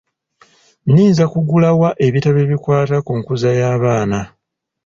Nniza kugula wa ebitabo ebikwata ku nkuza y'abaana?